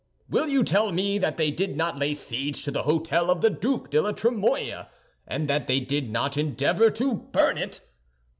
Will you tell me that they did not lay siege to the hôtel of the Duc de la Trémouille, and that they did not endeavor to burn it?